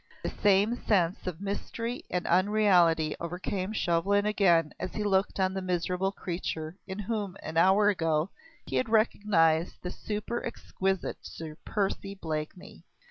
The same sense of mystery and unreality overcame Chauvelin again as he looked on the miserable creature in whom, an hour ago, he had recognised the super exquisite Sir Percy Blakeney.